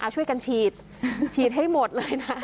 ช่วยกันฉีดฉีดให้หมดเลยนะ